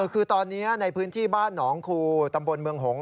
คือตอนนี้ในพื้นที่บ้านหนองคูตำบลเมืองหงษ